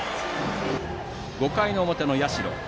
５回の表の社。